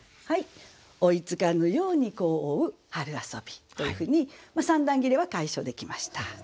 「追ひつかぬやうに子を追ふ春遊び」というふうに三段切れは解消できました。